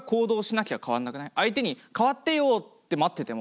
相手に変わってよって待ってても。